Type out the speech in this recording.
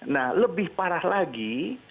nah lebih parah lagi